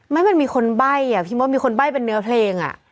มั้ยมันมีคนใบ้พี่โม๊ตมีคนใบ้เป็นเนื้อเพลง